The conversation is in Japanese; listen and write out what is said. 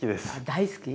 大好き？